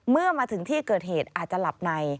เมื่อมาถึงที่เกิดเหตุอาจจะหลับใน